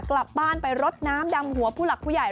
กลับบ้านไปรดน้ำดำหัวผู้หลักผู้ใหญ่